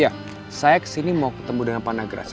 ya saya kesini mau ketemu dengan panagraj